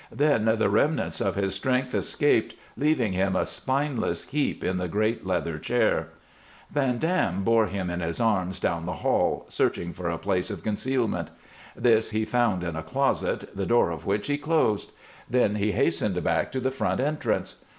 Then the remnants of his strength escaped, leaving him a spineless heap in the great leather chair. Van Dam bore him in his arms down the hall, searching for a place of concealment. This he found in a closet, the door of which he closed. Then he hastened back to the front entrance.